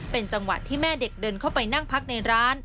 เป็นจังหวะที่แม่เด็กเดินเข้าไปนั่งพักในร้าน